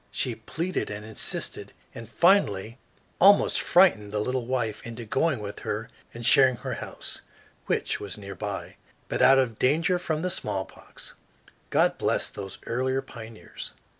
She pleaded and insisted, and finally almost frightened the little wife into going with her and sharing her house, which was near by, but out of danger from the smallpox. God bless those earlier pioneers!